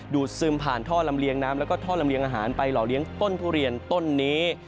ซึมผ่านท่อลำเลียงน้ำแล้วก็ท่อลำเลียงอาหารไปหล่อเลี้ยงต้นทุเรียนต้นนี้